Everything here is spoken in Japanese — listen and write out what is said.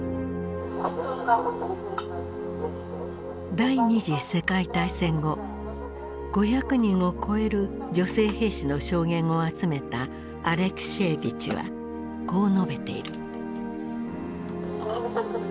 第二次世界大戦後５００人を超える女性兵士の証言を集めたアレクシエーヴィチはこう述べている。